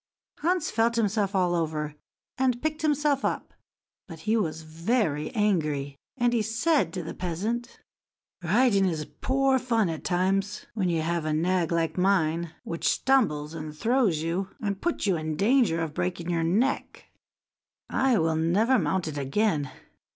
Hans felt himself all over, and picked himself up; but he was very angry, and said to the peasant: "Riding is poor fun at times, when you have a nag like mine, which stumbles and throws you, and puts you in danger of breaking your neck. I will never mount it again.